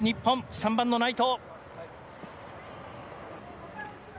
３番の内藤。